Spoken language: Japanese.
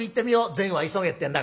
『善は急げ』ってんだからな。